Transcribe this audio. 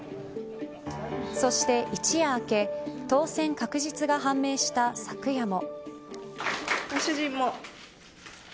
そして一夜明け当選確実が判明した昨夜も。